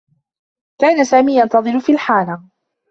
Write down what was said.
كان سامي ينتظر في الحانة.